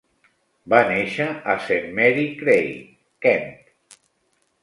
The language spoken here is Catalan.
Va néixer a Saint Mary Cray, Kent.